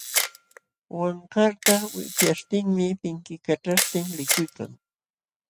Wankarta wipyaśhtinmi pinkikaćhaśhtin likuykan.